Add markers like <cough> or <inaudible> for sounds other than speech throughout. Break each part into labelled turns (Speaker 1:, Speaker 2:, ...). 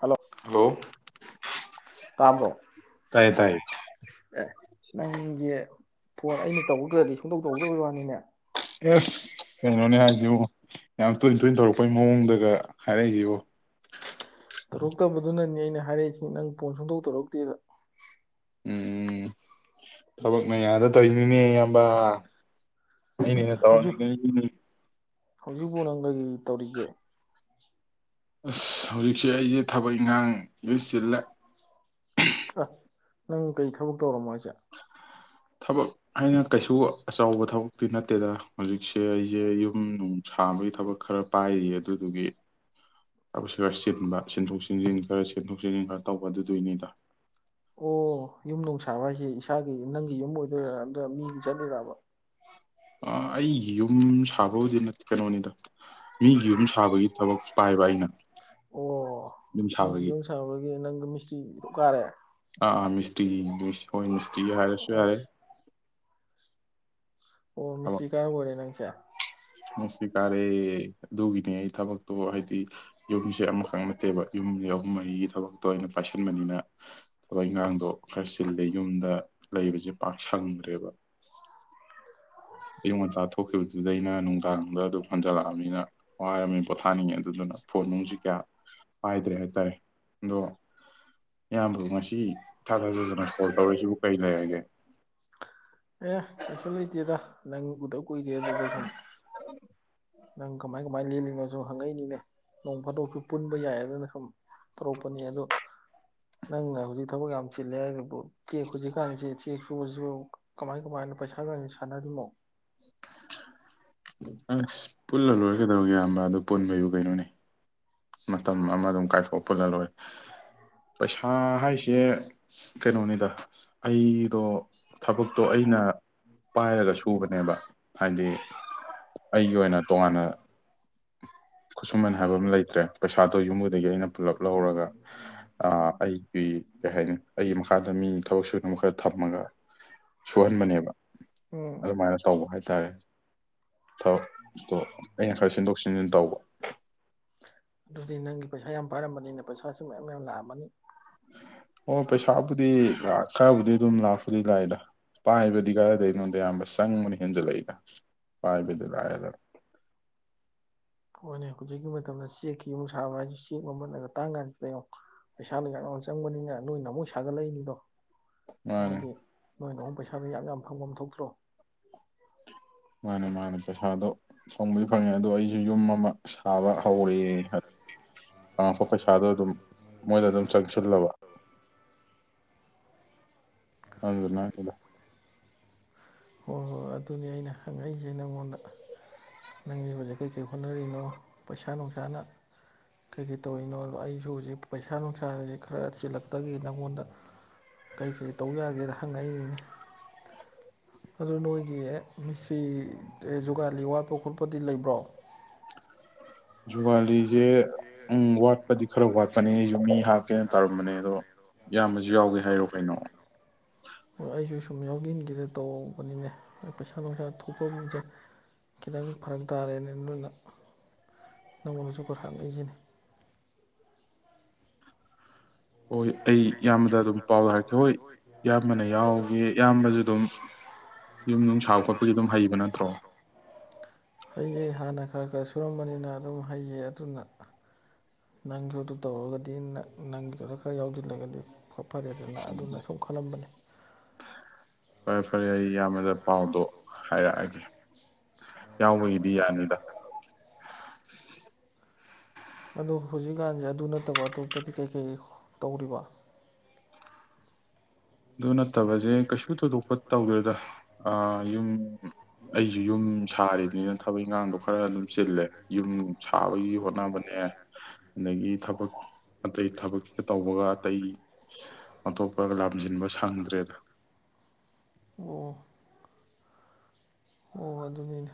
Speaker 1: Hello
Speaker 2: hello
Speaker 1: ꯇꯥꯝꯕ꯭ꯔꯣ
Speaker 2: ꯇꯥꯏꯌꯦ ꯇꯥꯏꯌꯦ
Speaker 1: ꯑꯦ ꯅꯪꯒꯤ ꯐꯣꯟ ꯑꯩꯅ ꯇꯧꯧꯕꯈ꯭ꯔꯗꯤ ꯐꯣꯡꯗꯣꯛ ꯇꯧꯗ ꯑꯣꯏ ꯋꯥꯅꯤꯅꯦ
Speaker 2: ꯑꯦꯁ ꯀꯩꯅꯣꯅꯦ ꯍꯥꯏꯁꯤꯨ ꯌꯥꯝ ꯇꯣꯏ ꯇꯣꯏꯅ ꯇꯧꯔꯛꯄꯩ ꯃꯑꯣꯡꯗꯒ ꯍꯥꯏꯔꯛꯏꯁꯤꯕꯨ
Speaker 1: ꯇꯧꯔꯛꯇꯕꯗꯨꯅꯅꯤ ꯑꯩꯅ ꯍꯥꯏꯔꯛꯏꯁꯤ ꯅꯪ ꯐꯣꯟ ꯁꯣꯟꯗꯣꯛ ꯇꯧꯔꯛꯇꯦꯗ
Speaker 2: ꯎꯝ ꯊꯕꯛꯅ ꯌꯥꯗ ꯇ ꯏꯅꯤ ꯝꯕ ꯅ ꯇꯅꯤ ꯀ
Speaker 1: ꯍꯧꯖꯤꯛꯐꯥꯎ ꯅꯪ ꯀꯔꯤ ꯇꯧꯔꯤꯒꯦ
Speaker 2: ꯑꯁ ꯍꯧꯖꯤꯛꯁꯦ ꯑꯩꯁꯦ ꯊꯕꯛ ꯏꯪꯈꯥꯡ ꯂꯤꯁ ꯆꯤꯜꯂꯦ
Speaker 1: ꯑ ꯅꯪ ꯀꯩ ꯊꯕꯛ ꯇꯧꯔꯝꯃꯣꯏꯁꯦ ꯆ
Speaker 2: ꯊꯕꯛ ꯍꯥꯏꯅ ꯀꯩꯁꯨ ꯑꯆꯧꯕ ꯊꯕꯛꯇꯤ ꯅꯠꯇꯦ ꯗꯦꯗ ꯍꯧꯖꯤꯛꯁꯦ ꯑꯩꯁꯦ ꯌꯨꯝ ꯅꯨꯡ ꯁꯥꯕꯒꯤ ꯊꯕꯛ ꯈꯔ ꯄꯥꯏꯔꯤ ꯑꯗꯨꯗꯨꯒꯤ ꯍꯥꯏꯕ ꯈꯔ ꯆꯤꯟꯕ ꯁꯤꯟꯊꯣꯛ ꯆꯟꯁꯤꯟ ꯈꯔ ꯆꯦꯟꯊꯣꯛ ꯆꯦꯟꯁꯤꯟ ꯈꯔ ꯇꯧꯕ ꯑꯗꯨꯗꯣꯏꯅꯤꯗ
Speaker 1: ꯑꯣ ꯌꯨꯝ ꯅꯨꯡ ꯁꯥꯕ ꯍꯥꯏꯁꯦ ꯏꯁꯥꯒꯤ ꯅꯪꯒꯤ ꯌꯨꯝ ꯑꯣꯏꯗꯣꯏꯔꯥ ꯑꯗꯨ ꯃꯤ ꯆꯠꯂꯤꯔꯕ
Speaker 2: ꯑ ꯑꯩ ꯌꯨꯝ ꯑꯗꯨꯝ ꯁꯥꯕꯕꯨꯗ ꯅꯠꯇꯦ ꯀꯩꯅꯣꯅꯤꯗ ꯃꯤꯒꯤ ꯌꯨꯝ ꯁꯥꯕꯒꯤ ꯊꯕꯛ ꯄꯥꯏꯕ ꯑꯩꯅ
Speaker 1: ꯑꯣ
Speaker 2: ꯌꯨꯝ
Speaker 1: ꯃꯤꯒꯤ
Speaker 2: ꯁꯥꯕꯒꯤ
Speaker 1: ꯌꯨꯝꯁꯥꯕꯒꯤ ꯅꯪ ꯃꯤꯁꯇ꯭ꯔꯤ ꯀꯥꯔꯦ
Speaker 2: ꯃꯤ ꯏꯁꯇ꯭ꯔꯤ ꯏꯪꯂꯤꯁ ꯍꯣꯏ ꯃꯤꯁꯇ꯭ꯔꯤ ꯍꯥꯏꯔꯁꯨ ꯌꯥꯔꯦ
Speaker 1: ꯑꯁ ꯑꯣ ꯃꯤꯁꯇꯔꯤꯀꯥ ꯑꯣꯏꯔꯦ ꯅꯪ ꯆꯦ
Speaker 2: ꯃꯤꯁꯇꯔꯤ ꯀꯥꯔꯦ ꯑꯗꯨꯒꯤꯅꯦ ꯑꯩ ꯊꯕꯛꯇꯣ ꯍꯥꯏꯗꯤ ꯌꯨꯝꯁꯦ ꯑꯃꯈꯛ ꯅꯠꯇꯦꯕ ꯌꯨꯝ ꯑꯍꯨꯝ ꯃꯔꯤꯒꯤ ꯊꯕꯛꯇꯣ ꯑꯩꯅ ꯄꯥꯏꯁꯟꯕꯅꯤꯅ ꯊꯕꯛ ꯏꯟꯈꯥꯡꯗꯣ ꯈꯔ ꯆꯜꯂꯦ ꯌꯨꯝꯗ ꯂꯩꯕꯁꯦ ꯄꯥꯛ ꯁꯪꯗ꯭ꯔꯦꯕ ꯑꯌꯤꯡ ꯉꯇꯥ ꯊꯣꯛꯈꯤꯕꯗꯨꯗ ꯑꯩꯅ ꯅꯨꯡꯗꯥꯡ ꯅꯨꯡꯗ ꯑꯗꯨꯝ ꯍꯟꯖꯤꯜꯂꯛꯑꯃꯤꯅ ꯋꯥꯔꯝꯃꯤ ꯄꯣꯊꯥꯅꯤꯡꯉꯤ ꯑꯗꯨꯗꯨꯅ ꯐꯣꯟ ꯅꯨꯡꯁꯤ ꯀꯌꯥ ꯄꯥꯏꯗ꯭ꯔꯦ ꯍꯥꯏꯇꯥꯔꯦ ꯑꯗꯣ ꯏꯌꯥꯝꯕ꯭ꯔꯣ ꯉꯁꯤ ꯊꯥꯗꯖꯖꯅ ꯉꯁꯤ ꯀꯣꯜ ꯇꯧꯔꯤꯁꯤꯕꯨ ꯀꯔꯤ ꯂꯩꯔꯒꯦ
Speaker 1: ꯅꯪꯎꯗ ꯀꯨꯏꯔꯅ ꯁꯨꯝ ꯅꯪ ꯀꯃꯥꯏ ꯀꯃꯥꯏ ꯂꯦꯜꯂꯤꯅꯣꯁꯨ ꯍꯪꯉꯛꯏꯅꯤꯅꯦ ꯅꯣꯡ ꯐꯥꯗꯣꯛꯁꯨ ꯄꯨꯟꯕ ꯌꯥꯏꯗꯅ ꯁꯨꯝ ꯇꯧꯔꯛꯄꯅꯤ ꯑꯗꯣ ꯅꯪꯅ ꯍꯧꯖꯤꯛ ꯊꯕꯛ ꯌꯥꯝ ꯆꯤꯜꯂꯦꯕꯨ ꯀꯦꯛ ꯍꯧꯖꯤ ꯀꯥꯟ ꯆꯦꯛ ꯁꯨꯕꯁꯦ ꯀꯃꯥꯏ ꯀꯃꯥꯏꯅ ꯄꯩꯁꯥꯒ ꯁꯥꯟꯅꯔꯤꯅꯣ
Speaker 2: ꯑꯁ ꯄꯨꯜꯂ ꯂꯣꯏꯔꯒꯗꯧꯒꯦ ꯏꯌꯥꯝꯕ ꯑꯗꯨ ꯄꯨꯟꯕꯩꯕꯨ ꯀꯩꯅꯣꯅꯦ ꯃꯇꯝ ꯑꯃ ꯑꯗꯨꯝ ꯀꯥꯏꯊꯣꯛꯄ ꯄꯨꯜꯂꯂꯣꯏꯔꯦ ꯄꯩꯁꯥ ꯍꯥꯏꯁꯦ ꯀꯩꯅꯣꯅꯤꯗ ꯑꯩꯗꯣ ꯊꯕꯛꯇꯣ ꯑꯩꯅ ꯄꯥꯏꯔꯒ ꯁꯨꯕꯅꯦꯕ ꯍꯥꯏꯗꯤ ꯑꯩꯒꯤ ꯑꯣꯏꯅ ꯇꯣꯉꯥꯟꯅ ꯈꯨꯠꯁꯨꯃꯟ ꯍꯥꯏꯕ ꯑꯃ ꯂꯩꯇ꯭ꯔꯦ ꯄꯩꯁꯥꯗꯣ ꯌꯨꯝꯕꯨꯗꯒꯤ ꯑꯩꯅ ꯄꯨꯂꯞ ꯂꯧꯔꯒ ꯑ ꯑꯩꯒꯤ ꯀꯩ ꯍꯥꯏꯅꯤ ꯑꯩꯒꯤ ꯃꯈꯥꯗ ꯃꯤ ꯊꯕꯛ ꯁꯨꯅ ꯈꯔ ꯊꯝꯃꯒ ꯁꯨꯍꯟꯕꯅꯦꯕ
Speaker 1: ꯎꯝ
Speaker 2: ꯑꯗꯨꯃꯥꯏꯅ ꯇꯧꯕ ꯍꯥꯏꯇꯥꯔꯦ ꯊꯥꯎ ꯑꯩꯅ ꯈꯔꯁꯤꯟꯗꯣꯛ ꯇꯧꯕ
Speaker 1: ꯑꯗꯨꯗꯤ ꯅꯪꯒꯤ ꯄꯩꯁꯥ ꯌꯥꯝ ꯄꯥꯏꯔꯝꯕꯅꯤꯅ ꯄꯩꯁꯥꯁꯨ ꯃꯌꯥꯝ ꯌꯥꯝ ꯂꯥꯛꯑꯃꯅꯤ
Speaker 2: ꯑꯣ ꯄꯩꯁꯥꯕꯨꯗꯤ ꯈꯔꯕꯨꯗꯤ ꯑꯗꯨꯝ ꯂꯥꯛ ꯈꯨ ꯂꯥꯏꯗ ꯄꯥꯏꯕꯗꯤ ꯀꯥꯏꯗ ꯑꯩꯉꯣꯟꯗ ꯑꯌꯥꯝꯕ ꯆꯪꯕꯅ ꯍꯦꯟꯖꯜꯂꯛꯏꯗ ꯄꯥꯏꯕꯗꯤ ꯂꯥꯏꯑꯗ
Speaker 1: ꯍꯣꯏꯅꯦ ꯍꯧꯖꯤꯛꯀꯤ ꯃꯇꯝꯗ ꯆꯦꯛꯀꯤ ꯑꯃꯨꯛ ꯁꯥꯕ ꯍꯥꯏꯁꯦ ꯆꯦꯛ ꯃꯃꯜꯅꯒ ꯇꯥꯡ ꯀꯥꯟꯁꯤꯗ ꯌꯦꯉꯨ ꯄꯩꯁꯥꯅ ꯌꯥꯝꯅ ꯆꯪꯕꯅꯤꯅ ꯅꯣꯏꯅ ꯑꯃꯨꯛ ꯁꯥꯒꯠꯂꯛꯏꯅꯤꯗꯣ꯫
Speaker 2: ꯃꯥꯅꯦ
Speaker 1: ꯍꯥꯏꯕꯗꯤ ꯅꯣꯏꯅ ꯑꯃꯛ ꯄꯩꯁꯥꯗ ꯌꯥꯝ ꯌꯥꯝ ꯐꯪꯕ ꯑꯃ ꯊꯣꯛꯇ꯭ꯔꯣ
Speaker 2: ꯃꯥꯅꯦ ꯃꯥꯅꯦ ꯄꯩꯁꯥꯗꯣ ꯁꯣꯡꯕꯩ ꯐꯪꯉꯦ ꯑꯗꯣ ꯑꯩꯁꯨ ꯌꯨꯝ ꯑꯃ ꯁꯥꯕ ꯍꯧꯔꯑꯦ ꯉꯥꯡꯉꯛꯄ ꯄꯩꯁꯥꯗꯣ ꯑꯗꯨꯝ ꯃꯣꯏꯗ ꯑꯗꯨꯝ ꯆꯪꯁꯤꯜꯂꯕ ꯑꯗꯨ ꯅꯪꯗ
Speaker 1: ꯍꯣꯏ ꯍꯣꯏ ꯑꯗꯨꯅꯤ ꯑꯩꯅ ꯍꯪꯉꯛꯏꯁꯦ ꯅꯪꯉꯣꯟꯗ ꯅꯪꯒꯤꯕꯁꯦ ꯀꯩꯀꯩ ꯍꯣꯠꯅꯔꯤꯅꯣ ꯄꯩꯁꯥ ꯅꯨꯡꯁꯥꯅ ꯀꯩꯀꯩ ꯇꯧꯔꯤꯅꯣ ꯑꯩꯁꯨ ꯍꯧꯖꯤꯛ ꯄꯩꯁꯥ ꯅꯨꯡꯁꯥꯖꯤ ꯈꯔ ꯆꯤꯜꯂꯛꯇꯒꯦ ꯅꯪꯉꯣꯟꯗ ꯀꯩ ꯀꯔꯤ ꯇꯧ ꯌꯥꯒꯦꯅ ꯍꯪꯉꯛꯏꯅꯤꯅꯦ ꯑꯗꯨ ꯅꯣꯏꯒꯤ ꯁꯤ ꯖꯨꯒꯥꯂꯤ ꯋꯥꯠꯄ ꯈꯣꯠꯄꯗꯤ ꯂꯩꯕ꯭ꯔꯣ
Speaker 2: ꯖꯨꯋꯥꯂꯤ ꯋꯥꯠꯄꯅꯦ ꯑꯩꯁꯨ ꯃꯤ ꯍꯥꯞꯀꯦꯅ ꯇꯧꯔꯝꯕꯅꯦ ꯑꯗꯣ ꯏꯌꯥꯝꯕꯁꯨ ꯌꯥꯎꯒꯦ
Speaker 1: ꯁꯨ ꯌꯥꯎꯦ ꯍꯥꯏꯔꯣ
Speaker 2: ꯀꯩꯅꯣ
Speaker 1: ꯀꯩꯅꯣ ꯁꯨꯝ ꯌꯥꯎꯁꯤꯟꯈꯤꯗꯦ ꯇꯧꯕꯧꯕꯅꯤꯅꯦ ꯄꯩꯁꯥ ꯅꯨꯡꯁꯥ ꯁꯐꯝꯁꯦ ꯈꯤꯇꯪ ꯐꯔꯛ ꯇꯥꯔꯛꯦꯅꯦ ꯅꯪꯅꯁꯨ ꯈꯊꯥꯡ ꯂꯩꯁꯤꯅꯤ
Speaker 2: ꯍꯣꯏ
Speaker 1: ꯑꯩ
Speaker 2: ꯏꯌꯥꯝꯕꯗ ꯑꯗꯨꯝ ꯄꯥꯎ ꯍꯥꯏꯔꯛꯀꯦ ꯍꯣꯏ ꯏꯌꯥꯝꯕꯅ ꯌꯥꯎꯒꯦ ꯏꯌꯥꯝꯕꯁꯨ ꯑꯗꯨꯝ ꯌꯨꯝ ꯅꯨꯡ ꯁꯥꯕ ꯈꯣꯠꯄꯒꯤ ꯑꯗꯨꯝ ꯍꯩꯕ
Speaker 1: ꯑꯗꯨꯝꯄ
Speaker 2: ꯅꯠꯇ꯭ꯔꯣ
Speaker 1: ꯍꯩꯌꯦ ꯍꯥꯟꯅ ꯈꯔ ꯈ ꯁꯨꯔꯝꯕꯅꯤꯅ ꯑꯗꯨꯝ ꯍꯩꯌꯦ ꯑꯗꯨꯅ ꯅꯪꯒꯤꯣꯗꯨ ꯇꯧꯔꯒꯗꯤ ꯅꯪꯒꯤꯗꯨꯗ ꯈꯔ ꯌꯥꯎꯁꯤꯜꯂꯒꯗꯤ ꯐꯔꯦꯗꯅ ꯑꯗꯨꯅ ꯁꯨꯝ ꯈꯜꯂꯝꯕꯅꯤ
Speaker 2: ꯎ ꯐꯔꯦ ꯐꯔꯦ ꯑꯩ ꯏꯌꯥꯝꯕꯗ ꯄꯥꯎꯗꯣ ꯍꯥꯏꯔꯛꯑꯒꯦ ꯌꯥꯎꯕꯒꯤꯗꯤ ꯌꯥꯅꯤꯗ inaudible
Speaker 1: ꯑꯗꯨꯗ ꯍꯧꯖꯤꯛꯀꯥꯟꯁꯦ ꯑꯗꯨ ꯅꯠꯇꯕ ꯑꯇꯣꯞꯄꯗꯤ ꯀꯩꯀꯩ ꯇꯧꯔꯤꯕ
Speaker 2: ꯑꯗꯨ ꯅꯠꯇꯕꯁꯦ ꯀꯩꯁꯨ ꯊꯣꯏꯗꯣꯛꯄ ꯇꯧꯗꯣꯏꯗ ꯑ ꯌꯨꯝ ꯑꯩꯁꯨ ꯌꯨꯝ ꯁꯥꯔꯤꯅꯤꯅ ꯊꯕꯛ ꯏꯪꯈꯥꯡꯗꯣ ꯈꯔ ꯑꯗꯨꯝ ꯆꯤꯜꯂꯦ ꯌꯨꯝ ꯁꯥꯕꯒꯤ ꯍꯣꯠꯅꯕꯅꯦ ꯑꯗꯒꯤ ꯊꯕꯛ ꯑꯇꯩ ꯊꯕꯛ ꯇꯧꯕꯒ ꯑꯇꯩ ꯑꯣꯟꯊꯣꯛꯄꯒ ꯪꯗ꯭ꯔꯦꯕ
Speaker 1: ꯑꯣ ꯑꯣ ꯑꯗꯨꯅꯤꯅꯦ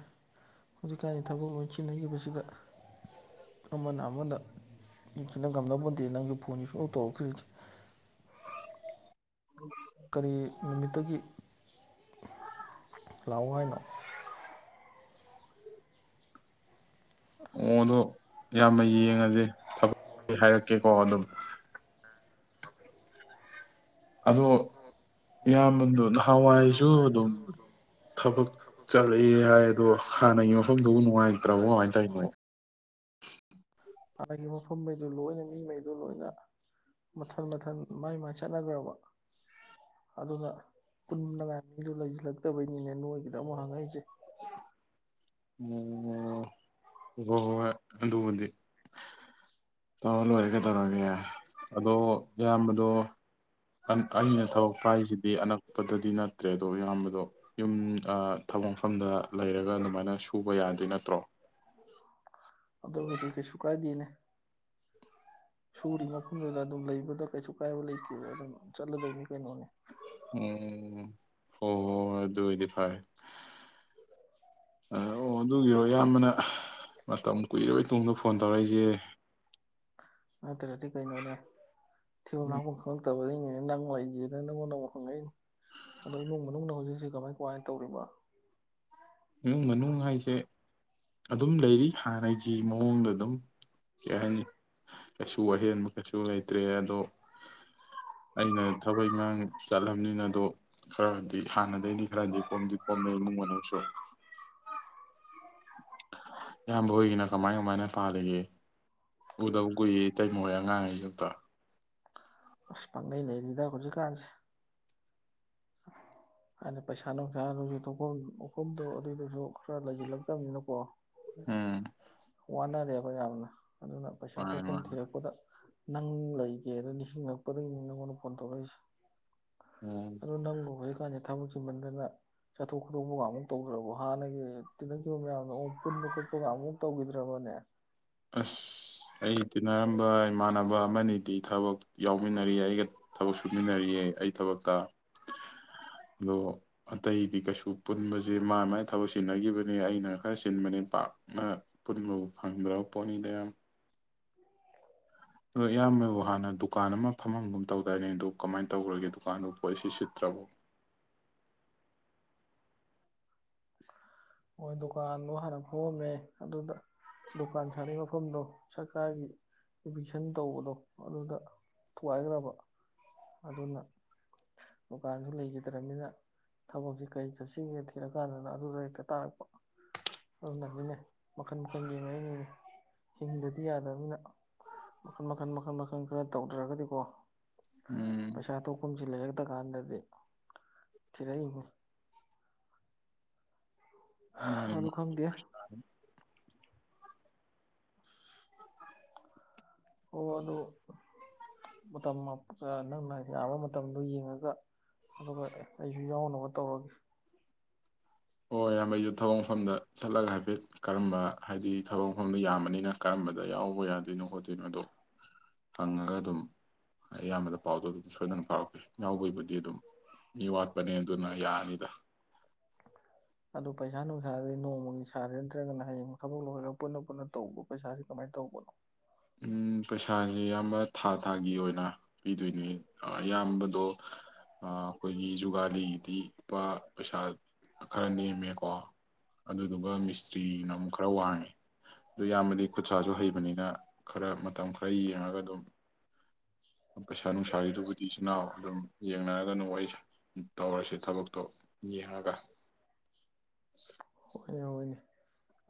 Speaker 1: ꯍꯧꯖꯤꯛꯀꯥꯟꯗꯤ ꯊꯕꯛ ꯂꯣꯏꯁꯤꯟꯅꯈꯤꯕꯁꯤꯗ ꯑꯃꯅ ꯑꯃꯅ ꯏꯁꯨꯅꯪꯝꯅꯕꯕꯨꯟꯗꯦ ꯅꯪꯒ ꯀꯁꯨ ꯑꯣ ꯇꯧꯈ꯭ꯔꯖ
Speaker 2: ꯎ
Speaker 1: ꯀꯔꯤ ꯅꯨꯃꯤꯠꯇꯒꯤ ꯂꯥꯛꯑꯣ ꯍꯥꯏꯅꯣ
Speaker 2: ꯑꯣꯗꯣ ꯌꯥꯝꯌꯥꯝꯕ ꯌꯦꯡꯉꯁꯦ ꯊꯕꯛ ꯍꯥꯏꯔꯛꯀꯦꯀꯣ ꯑꯗꯨꯝ ꯑꯗꯣ ꯏꯌꯥꯝꯕꯗꯣ ꯅꯍꯥꯟꯋꯥꯏꯁꯨ ꯑꯗꯨꯝ ꯊꯕꯛ ꯆꯠꯂꯛꯑꯦ ꯍꯥꯏ ꯑꯗꯣ ꯍꯥꯟꯅꯒꯤ ꯃꯐꯝꯗꯨꯕꯨ ꯅꯨꯡꯉꯥꯏꯇ꯭ꯔꯕꯣ ꯀꯃꯥꯏꯅ ꯇꯧꯔꯤꯅꯣ
Speaker 1: ꯑꯒꯤ ꯃꯐꯝꯈꯩꯗꯨ ꯂꯣꯏꯅ ꯃꯤꯉꯩꯗꯨ ꯂꯣꯏꯅ ꯃꯊꯟ ꯃꯊꯟ ꯃꯥꯏ ꯃꯥꯏ ꯆꯠꯅꯈ꯭ꯔꯕ ꯑꯗꯨꯅ ꯄꯨꯟꯅꯉꯥꯏ ꯃꯤꯗꯣ ꯂꯩꯁꯤꯜꯂꯛꯇꯕꯩꯅꯤꯅꯦ ꯅꯣꯏꯒꯤꯗ ꯑꯃꯨꯛ ꯍꯪꯉꯛꯏꯁꯦ
Speaker 2: ꯑꯣ ꯍꯣꯏ ꯍꯣꯏ ꯍꯣꯏ ꯑꯗꯨꯕꯨꯗꯤ ꯇꯧꯔ ꯂꯣꯏꯔꯒꯦ ꯇꯧꯔꯒꯦ ꯌꯥꯔ ꯑꯗꯣ ꯏꯌꯥꯝꯕꯗꯣ ꯑꯩꯅ ꯊꯕꯛ ꯄꯥꯏꯁꯤꯗꯤ ꯑꯅꯛꯄꯗꯗꯤ ꯅꯠꯇ꯭ꯔꯦ ꯑꯗꯣ ꯏꯌꯥꯝꯕꯗꯣ ꯌꯨꯝ ꯊꯕꯛꯐꯝꯗ ꯂꯩꯔꯒ ꯑꯗꯨꯃꯥꯏꯅ ꯁꯨꯕ ꯌꯥꯗꯣꯏ ꯅꯠꯇ꯭ꯔꯣ
Speaker 1: ꯑꯗꯨ ꯀꯤꯗꯤ ꯀꯩꯁꯨ ꯀꯥꯏꯗꯦꯅꯦ ꯁꯨꯔꯤ ꯃꯐꯝꯗꯨꯗ ꯑꯗꯨꯝ ꯂꯩꯕꯗ ꯀꯩꯁꯨ ꯀꯥꯏꯕ ꯂꯩꯇꯦꯕ ꯑꯗꯨꯝ ꯆꯠꯂꯗꯧꯅꯤ ꯀꯩꯅꯣꯅꯤ
Speaker 2: ꯎꯝ ꯍꯣꯏ ꯍꯣꯏ ꯍꯣꯏ ꯑꯗꯨ ꯑꯣꯏꯗꯤ ꯐꯔꯦ ꯑ ꯑꯣ ꯑꯗꯨꯒꯤꯔꯣ ꯑꯌꯥꯝꯕꯅ ꯃꯇꯝ ꯀꯨꯏꯔꯣꯏ ꯇꯨꯡꯗ ꯐꯣꯟ ꯇꯧꯔꯛꯏꯁꯦ
Speaker 1: ꯑꯗꯨꯔꯗꯤ ꯀꯩꯅꯣꯅꯦ ꯊ <unintelligible> ꯐꯠꯇꯕꯁꯤꯡꯅꯦ ꯅꯪ ꯂꯩꯒꯦꯗꯅ ꯅꯪꯉꯣꯟ ꯅꯪ ꯍꯪꯉꯛꯏ ꯑꯗꯣ ꯏꯃꯨꯡ ꯃꯅꯨꯡꯅ ꯍꯧꯖꯤꯛꯁꯤ ꯀꯃꯥꯏ ꯀꯃꯥꯏꯅ ꯇꯧꯔꯤꯕ
Speaker 2: ꯏꯃꯨꯡ ꯃꯅꯨꯡ ꯍꯥꯏꯁꯦ ꯑꯗꯨꯝ ꯂꯩꯔꯤ ꯍꯥꯟꯅꯩꯗꯤ ꯐ ꯃꯑꯣꯡꯗ ꯑꯗꯨꯝ ꯀꯩ ꯍꯥꯏꯅꯤ ꯀꯩꯁꯨ ꯑꯍꯦꯟꯕ ꯀꯩꯁꯨ ꯂꯩꯇ꯭ꯔꯦ ꯑꯗꯣ ꯑꯩꯅ ꯊꯕꯛ ꯏꯉꯥꯡ ꯆꯠꯂꯝꯅꯤꯅ ꯑꯗꯣ ꯈꯔꯗꯤ ꯍꯥꯟꯅꯗꯒꯤꯩꯗꯤ ꯈꯔꯗꯤ ꯀꯣꯝꯗꯤ ꯀꯣꯝꯃꯦ ꯏꯃꯨꯡ ꯃꯅꯨꯡꯁꯨ ꯏꯌꯥꯝꯕ ꯍꯣꯏꯒꯤꯅ ꯀꯃꯥꯏ ꯀꯃꯥꯏꯅ ꯄꯥꯜꯂꯤꯒꯦ ꯎꯗꯕ ꯀꯨꯏꯔꯦ ꯏꯇꯩꯃꯍꯣꯏ ꯑꯉꯥꯡꯉꯩꯁꯨ ꯑꯃꯇ
Speaker 1: ꯑꯁ ꯄꯪꯂꯩ ꯂꯩꯔꯤꯗ ꯍꯧꯖꯤꯛꯀꯥꯟꯁꯦ ꯑ ꯄꯩꯁꯥ ꯅꯨꯡꯁꯥꯁꯨ ꯎ ꯑꯗꯨꯁꯨ ꯈꯔ ꯂꯩꯁꯤꯜꯂꯛꯇꯕꯅꯤꯅꯀꯣ
Speaker 2: ꯎꯝ
Speaker 1: ꯋꯥꯅꯔꯦꯕ ꯌꯥꯝꯅ ꯑꯗꯨꯅ ꯄꯩꯁꯥ
Speaker 2: ꯃꯥꯅꯦ
Speaker 1: ꯊꯣꯛꯧꯐꯝ
Speaker 2: ꯃꯥꯅꯦ
Speaker 1: ꯊꯤꯔꯛꯄꯗ ꯅꯪ ꯂꯩꯒꯦꯗ ꯅꯤꯡꯁꯤꯡꯉꯛꯄꯗꯒꯤ ꯅꯪꯉꯣꯟꯗ ꯐꯣꯟ ꯇꯧꯔꯛꯏꯁꯦ ꯑꯗꯣ ꯅꯪꯕꯨ ꯍꯧꯖꯤꯛꯀꯥꯟꯗꯤ ꯊꯕꯛ ꯆꯤꯃꯟꯗꯅ ꯆꯠꯊꯣꯛ ꯈꯣꯇꯣꯛꯄꯒꯃꯨꯛ ꯇꯧꯗ꯭ꯔꯕꯣ ꯍꯥꯟꯅꯒꯤ ꯇꯤꯟꯅꯈꯤꯕ ꯃꯌꯥꯝꯗꯣ ꯑꯣ ꯄꯨꯟꯕ ꯈꯣꯠꯄꯒꯃꯨꯛ ꯇꯧꯈꯤꯗ꯭ꯔꯕꯅꯦ
Speaker 2: ꯑꯁ ꯑꯩ ꯇꯤꯅꯥꯔꯝꯕ ꯏꯃꯥꯟꯅꯕ ꯑꯃꯅꯤꯗꯤ ꯊꯕꯛ ꯌꯥꯎꯃꯤꯟꯅꯔꯤꯌꯦ ꯑꯩꯒ ꯊꯕꯛ ꯁꯨꯃꯤꯟꯅꯔꯤꯌꯦ ꯑꯩ ꯊꯕꯛꯇ ꯑꯗꯣ ꯑꯇꯩꯗꯤ ꯀꯩꯁꯨ ꯄꯨꯟꯕꯁꯦ ꯃꯥ ꯃꯥꯏ ꯊꯕꯛ ꯁꯤꯟꯅꯈꯤꯕꯅꯦ ꯑꯩꯅ ꯈꯔ ꯆꯤꯟꯕꯅꯦ ꯄꯥꯛꯅ ꯄꯨꯟꯕꯕꯨ ꯐꯪꯗ꯭ꯔꯣ ꯄꯅꯤꯗꯦꯔꯝ ꯑꯣ ꯏꯌꯥꯝꯕꯕꯨ ꯍꯥꯟꯅ ꯗꯨꯀꯥꯟ ꯑꯃ ꯐꯝꯃꯝꯒꯨꯝ ꯇꯧꯗꯥꯏꯅꯦ ꯑꯗꯨ ꯀꯃꯥꯏꯅ ꯇꯧꯈ꯭ꯔꯒꯦ ꯗꯨꯀꯥꯟꯗꯨ ꯄꯣꯠꯁꯤ ꯁꯤꯠꯇ꯭ꯔꯕꯣ
Speaker 1: ꯍꯣꯏ ꯗꯨꯀꯥꯟꯗꯣ ꯍꯥꯟꯅ ꯐꯣꯝꯃꯦ ꯑꯗꯨꯗ ꯗꯨꯀꯥꯟ ꯁꯥꯔꯤ ꯃꯐꯝꯗꯣ ꯁꯔꯀꯥꯔꯒꯤ ꯏꯚꯤꯛꯁꯟ ꯇꯧꯕꯗꯣ ꯑꯗꯨꯗ ꯊꯨꯒꯥꯏꯈ꯭ꯔꯕ ꯑꯗꯨꯅ ꯗꯨꯀꯥꯟꯁꯨ ꯂꯩꯈꯤꯗ꯭ꯔꯕꯅꯤꯅ ꯊꯕꯛꯁꯤ ꯀꯔꯤ ꯆꯠꯁꯤꯒꯦ ꯊꯤꯔꯀꯥꯟꯗ ꯑꯗꯨꯗ ꯍꯦꯛꯇ ꯇꯥꯔꯛꯄ ꯑꯗꯨꯅꯅꯤꯅꯦ ꯃꯈꯟ ꯃꯈꯟ ꯌꯦꯡꯉꯏꯉꯅꯦ ꯍꯤꯡꯗꯗꯤ ꯌꯥꯗꯕꯅꯤꯅ ꯃꯈꯟ ꯃꯈꯜ ꯃꯈꯜ ꯃꯈꯜ ꯈꯔ ꯇꯧꯗ꯭ꯔꯒꯗꯤꯀꯣ
Speaker 2: ꯎꯝ
Speaker 1: ꯄꯁꯥ ꯇꯣ ꯀꯨꯝ ꯁꯤꯂ ꯆꯒꯗ ꯀꯥꯥꯟꯗꯗꯤ ꯏ ꯆꯤꯔ <unintelligible>
Speaker 2: ꯃꯥꯅꯦ
Speaker 1: ꯑꯗꯨ
Speaker 2: ꯃꯥꯅꯦ
Speaker 1: ꯈꯪꯗꯦ
Speaker 2: ꯎ
Speaker 1: ꯑꯣ ꯑꯗꯨ ꯃꯇꯝ ꯅꯪꯅ ꯌꯥꯕ ꯃꯇꯝꯗꯣ ꯌꯦꯡꯉꯒ ꯑꯗꯨꯒ ꯑꯩꯁꯨ ꯌꯥꯎꯅꯕ ꯇꯧꯔꯒꯦ
Speaker 2: ꯑꯣ ꯌꯥꯝꯕꯩꯁꯨ ꯊꯕꯛ ꯃꯐꯝꯗ ꯆꯠꯂꯒ ꯍꯥꯏꯐꯦꯠ ꯀꯔꯝꯕ ꯍꯥꯏꯗꯤ ꯊꯕꯛ ꯃꯐꯝꯗꯣ ꯌꯥꯝꯕꯅꯤꯅ ꯀꯔꯝꯕꯗ ꯌꯥꯎꯕ ꯌꯥꯗꯣꯏꯅꯣ ꯈꯣꯠꯇꯣꯏꯅꯣꯗꯣ ꯍꯪꯉꯒ ꯑꯗꯨꯝ ꯑꯌꯥꯝꯕꯗ ꯄꯥꯎꯗꯣ ꯑꯗꯨꯝ ꯁꯣꯏꯗꯅ ꯐꯥꯎꯔꯛꯀꯦ ꯌꯥꯎꯕꯒꯤꯕꯨꯗꯤ ꯑꯗꯨꯝ ꯃꯤ ꯋꯥꯠꯄꯅꯦ ꯑꯗꯨꯅ ꯌꯥꯅꯤꯗ
Speaker 1: ꯑꯗꯨꯗ ꯄꯩꯁꯥ ꯅꯨꯡꯁꯥꯗꯤ ꯅꯣꯡꯃꯒꯤ ꯁꯥꯔꯦ ꯅꯠꯇ꯭ꯔꯒꯅ ꯍꯌꯦꯡ ꯊꯕꯛ ꯂꯣꯏꯔꯒ ꯄꯨꯟꯅ ꯄꯨꯟꯅ ꯇꯧꯕ ꯄꯩꯁꯥꯁꯤ ꯀꯃꯥꯏꯅ ꯇꯧꯕꯅꯣ
Speaker 2: ꯎꯝ ꯄꯩꯁꯥꯁꯦ ꯑꯌꯥꯝꯕ ꯊꯥ ꯊꯥꯒꯤ ꯑꯣꯏꯅ ꯄꯤꯗꯣꯏꯅꯦ ꯑꯌꯥꯝꯕꯗꯣ ꯑꯩꯈꯣꯏꯒꯤ ꯖꯨꯒꯥꯂꯤꯒꯤꯗꯤ ꯂꯄꯥ ꯄꯩꯁꯥ ꯈꯔ ꯅꯦꯝꯃꯦꯀꯣ ꯑꯗꯨꯗꯨꯒ ꯁꯔꯤ ꯅꯝ ꯈꯔ ꯋꯥꯔꯅꯤꯦ ꯑꯗꯨ ꯌꯥꯝꯕꯗꯤ ꯈꯨꯠꯁꯁꯨ ꯍꯩꯕꯅꯤꯅ ꯈꯔ ꯃꯇꯝ ꯈꯔ ꯌꯦꯡꯉꯒ ꯑꯗꯨꯝ ꯄꯩꯁꯥ ꯅꯨꯡꯁꯥꯒꯤꯗꯨꯕꯨꯗꯤ ꯏꯆꯤꯟꯜ ꯏꯅꯥꯎ ꯑꯗꯨꯝ ꯌꯦꯡꯅꯔꯒ ꯑꯗꯨꯝ ꯋꯥꯔꯤ ꯇꯧꯔꯁꯦ ꯊꯕꯛꯇꯣ ꯌꯦꯡꯉꯒ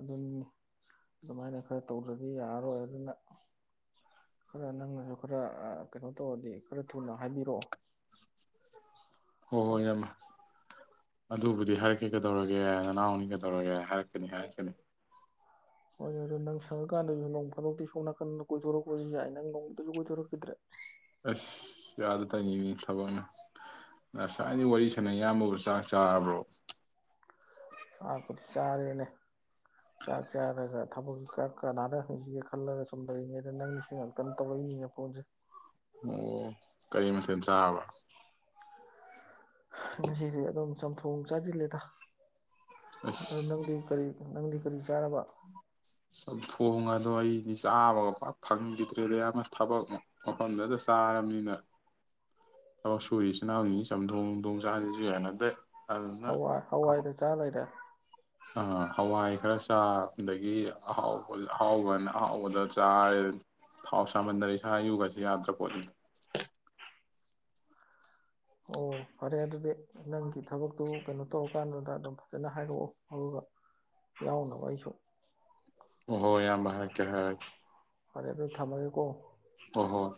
Speaker 1: ꯑꯗꯨꯅꯤ ꯑꯗꯨꯃꯥꯏꯅ ꯈꯔ ꯇꯧꯗ꯭ꯔꯗꯤ ꯌꯥꯔꯔꯣꯏ ꯑꯗꯨꯅ ꯈꯔ ꯅꯪꯅꯁꯨ ꯈꯔ ꯀꯩꯅꯣ ꯇꯧꯔꯗꯤ ꯈꯔ ꯊꯨꯅ ꯍꯥꯏꯕꯤꯔꯛꯑꯣ꯫
Speaker 2: ꯍꫭ ꯍꯣꯏ ꯌꯥꯝ ꯑꯗꯨꯕꯨꯗꯤ ꯍꯥꯏꯔꯛꯀꯦ ꯀꯩꯗꯧꯔꯒꯦ ꯅꯅꯥꯎꯅꯤ ꯀꯩꯗꯧꯔꯒꯦ ꯍꯥꯏꯔꯛꯀꯅꯤ ꯍꯥꯏꯔꯛꯀꯅꯤ꯫
Speaker 1: ꯍꯣꯏꯅꯦ ꯑꯗꯣ ꯅꯪ ꯁꯪꯉꯀꯥꯟꯗꯁꯨ ꯅꯣꯡ ꯐꯗꯧꯛꯇꯤ ꯁꯣ ꯅꯥꯀꯟꯗ ꯀꯣꯏꯊꯣꯔꯛꯄꯁꯨ ꯌꯥꯏ ꯅꯪ ꯅꯣꯡꯃꯇꯁꯨ ꯀꯣꯏꯊꯣꯔꯛꯈꯤꯗ꯭ꯔꯦ꯫
Speaker 2: ꯑꯁ ꯌꯥꯗ ꯇꯅꯤꯅꯤ ꯊꯕꯛꯅ ꯉꯁꯥꯏꯗꯤ ꯋꯥꯔꯤ ꯁꯥꯟꯅꯩ ꯏꯌꯥꯝꯕꯕꯨ ꯆꯥꯛ ꯆꯥꯔꯕ꯭ꯔꯣ꯫
Speaker 1: ꯆꯥꯛꯄꯨꯗꯤ ꯆꯥꯔꯦꯅꯦ ꯆꯥꯛ ꯆꯥꯔꯒ ꯊꯕꯛ ꯀꯩꯀꯥ ꯀꯅꯥꯗ ꯍꯪꯁꯤꯒꯦ ꯈꯜꯂꯒ ꯁꯨꯝ ꯇꯧꯔꯤꯉꯩꯗ ꯅꯪꯁꯤ ꯉꯥꯛꯇꯪ ꯇꯧꯔꯛꯏꯉ ꯄꯣꯟꯁꯦ꯫
Speaker 2: ꯑꯣ ꯀꯔꯤ ꯃꯊꯦꯜ ꯆꯥꯔꯕ꯫
Speaker 1: ꯉꯁꯤꯗꯤ ꯑꯗꯨꯝ ꯆꯝꯊꯣꯡ ꯆꯥꯁꯤꯜꯂꯦꯗ꯫ ꯅꯪꯗꯤ
Speaker 2: ꯑꯁ
Speaker 1: ꯀꯔꯤ ꯅꯪꯗꯤ ꯀꯔꯤ ꯆꯥꯔꯕ꯫
Speaker 2: ꯆꯝꯊꯣꯡ ꯑꯗꯣ ꯑꯩꯗꯤ ꯆꯥꯕꯒ ꯄꯥꯛ ꯐꯪꯈꯤꯗ꯭ꯔꯦꯗ ꯌꯥꯝꯅ ꯊꯕꯛ ꯃꯐꯝꯗꯨꯗ ꯆꯥꯔꯕꯅꯤꯅ ꯊꯕꯛ ꯁꯨꯔꯤ ꯏꯆꯤꯜ ꯏꯅꯥꯎꯅꯤ ꯆꯝꯊꯣꯡꯊꯣꯡ ꯆꯥꯁꯤꯁꯨ ꯌꯥꯅꯗꯦ꯫ ꯑꯗꯨꯅ
Speaker 1: ꯍꯋꯥꯏ ꯍꯋꯥꯏꯗꯨ ꯆꯥ ꯂꯩꯔꯦ꯫
Speaker 2: ꯑ ꯍꯋꯥꯏ ꯈꯔ ꯆꯥ ꯑꯗꯒꯤ ꯑꯍꯥꯎꯕ ꯑꯍꯥꯎꯕꯅ ꯑꯍꯥꯎꯕꯗ ꯆꯥꯔꯦ ꯊꯥꯎ ꯁꯥꯃꯟꯗ ꯏꯁꯥ ꯌꯨꯒꯁ ꯌꯥꯗ꯭ꯔꯥ ꯄꯣꯠꯅꯤ꯫
Speaker 1: ꯑꯣ ꯐꯔꯦ ꯑꯗꯨꯗꯤ꯫ ꯅꯪꯒꯤ ꯊꯕꯛꯇꯨ ꯀꯩꯅꯣ ꯇꯧ ꯀꯥꯟꯗꯨꯗ ꯑꯗꯨꯝ ꯐꯖꯅ ꯍꯥꯏꯔꯛꯑꯣ ꯑꯗꯨꯒ ꯌꯥꯎꯅꯕ ꯑꯩꯁꯨ
Speaker 2: ꯑꯣꯍꯣ ꯏꯌꯥꯝꯕ ꯍꯥꯏꯔꯛꯀꯦ ꯍꯥꯏꯔꯛꯀꯦ꯫
Speaker 1: ꯐꯔꯦ ꯑꯗꯨ ꯊꯝꯃꯒꯦꯀꯣ꯫
Speaker 2: ꯍꫭ ꯍꯣꯏ꯫